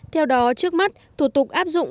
theo đó trước mắt thủ tục áp dụng